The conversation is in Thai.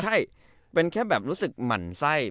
ใช่เป็นแค่แบบรู้สึกหมั่นไส้